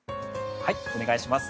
お願いします。